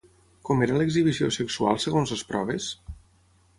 Com era l'exhibició sexual segons les proves?